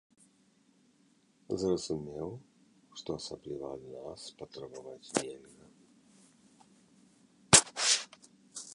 Зразумеў, што асабліва ад нас патрабаваць нельга.